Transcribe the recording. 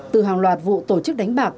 từ hàng loạt vụ tổ chức đánh bạc